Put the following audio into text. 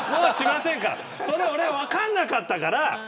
それが分からなかったから。